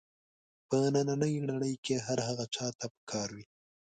په نننۍ نړۍ کې هر هغه چا ته په کار وي.